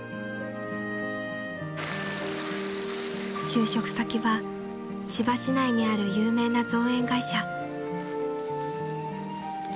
［就職先は千葉市内にある有名な造園会社］